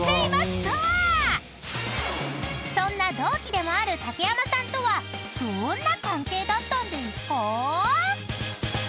［そんな同期でもある竹山さんとはどんな関係だったんですか？］